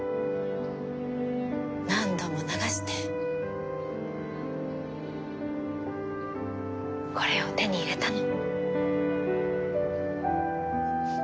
何度も流してこれを手に入れたの。